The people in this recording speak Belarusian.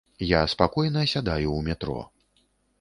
Я спакойна сядаю ў метро.